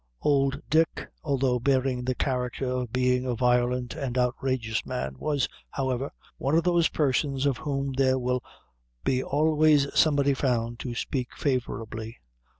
Old Dick, although bearing the character of being a violent and outrageous man, was, however, one of those persons of whom there will be always somebody found to speak favorably.